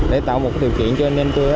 để tạo một điều kiện cho anh em tôi